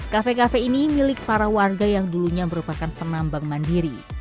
kafe kafe ini milik para warga yang dulunya merupakan penambang mandiri